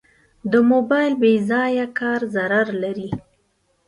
د موبایل بېځایه کار ضرر لري.